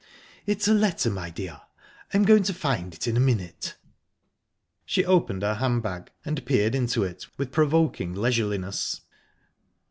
"It's a letter, my dear. I'm going to find it in a minute." She opened her hand bag, and peered into it with provoking leisureliness